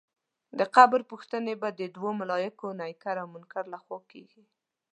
د قبر پوښتنې به د دوو ملایکو نکیر او منکر له خوا کېږي.